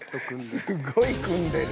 すごい組んでる。